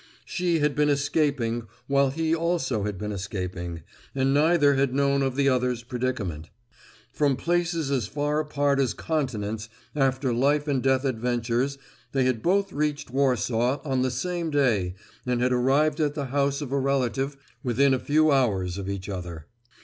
She had been escaping while he also had been escaping, and neither had known of the other's predicament. From places as far apart as continents, after life and death adventures, they had both reached Warsaw on the same day and had arrived at the house of a relative within a few hours of each other.